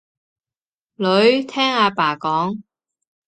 女，聽阿爸講